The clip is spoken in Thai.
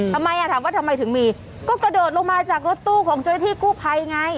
ทำไมอ่ะถามว่าทำไมถึงมีก็กระโดดลงมาจากรถตู้ของเจ้าหน้าที่กู้ภัยไง